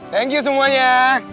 thank you semuanya